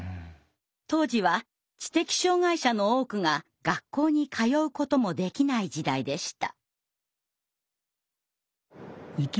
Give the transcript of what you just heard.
当時は知的障害者の多くが学校に通うこともできない時代でした。